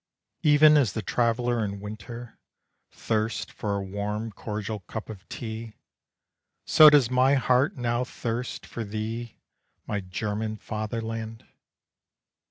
Even as the traveller in winter, thirsts For a warm cordial cup of tea, So does my heart now thirst for thee My German fatherland.